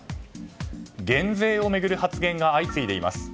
減税を巡る発言が相次いでいます。